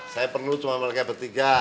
saya penuh cuma sama mereka bertiga